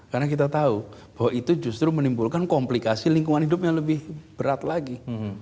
karena kita tahu bahwa itu justru menimbulkan komplikasi lingkungan hidup yang lebih berat lagi